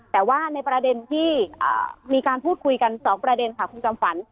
แต่ว่าในประเด็นที่มีการพูดคุยกัน๒ประเด็นค่ะคุณจอมฝัน